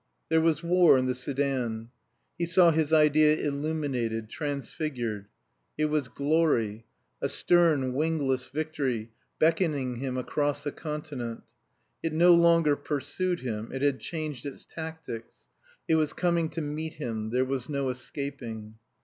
There was war in the Soudan. He saw his idea illuminated, transfigured. It was Glory, a stern wingless Victory, beckoning him across a continent. It no longer pursued him. It had changed its tactics. It was coming to meet him; there was no escaping.